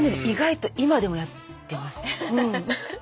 意外と今でもやってますうん。